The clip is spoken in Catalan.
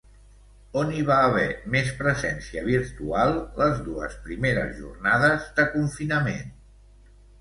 On hi va haver més presència virtual les dues primeres jornades de confinament?